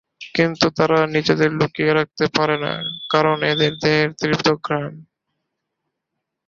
কিন্তু তারা নিজেদের লুকিয়ে রাখতে পারে না, কারণ এদের দেহের তীব্র ঘ্রাণ।